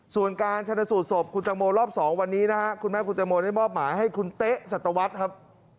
ส่วนการชนสูตรศพคุณตังโมรอบ๒วันนี้นะฮะคุณแม่คุณตังโมได้มอบหมายให้คุณเต๊ะสัตวรรษครับ